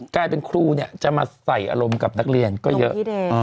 กลายเป็นครูเนี่ยจะมาใส่อารมณ์กับนักเรียนก็เยอะ